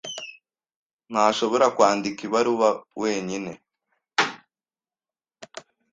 Ntashobora kwandika ibaruwa wenyine.